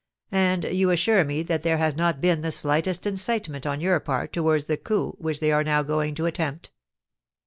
And you assure me that there has not been the slightest incitement on your part towards the coup which they are now going to attempt?"